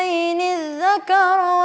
aku mau bekerja